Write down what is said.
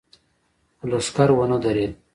خو لښکر ونه درېد.